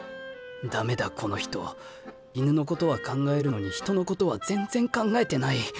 ダメだこの人犬のことは考えるのに人のことは全然考えてない。